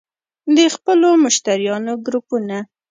- د خپلو مشتریانو ګروپونه